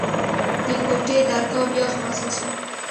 د کوټې درګاه بيا خلاصه سوه.